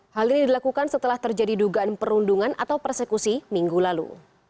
hal ini dilakukan setelah terjadi dugaan perundungan atau persekusi minggu lalu